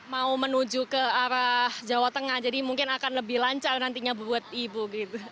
mau menuju ke arah jawa tengah jadi mungkin akan lebih lancar nantinya buat ibu gitu